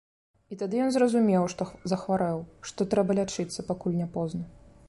І тады ён зразумеў, што захварэў, што трэба лячыцца, пакуль не позна.